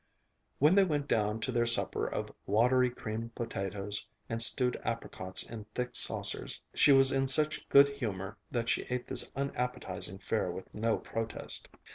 When they went down to their supper of watery creamed potatoes, and stewed apricots in thick saucers, she was in such good humor that she ate this unappetizing fare with no protest.